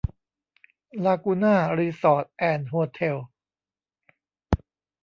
ลากูน่า รีสอร์ท แอนด์ โฮเท็ล